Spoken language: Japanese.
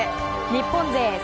日本勢